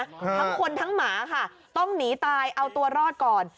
ทั้งคนทั้งหมาค่ะต้องหนีตายเอาตัวรอดก่อน